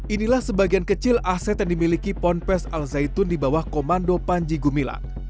inilah sebagian kecil aset yang dimiliki pompes al zaitun di bawah komando panji gumilang